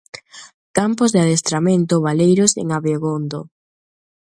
Campos de adestramento baleiros en Abegondo.